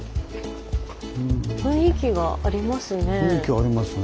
雰囲気ありますね。